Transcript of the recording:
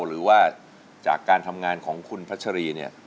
หรือว่าจากการทำงานของคุณพัชรีเนี่ย